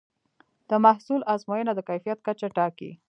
د محصول ازموینه د کیفیت کچه ټاکي.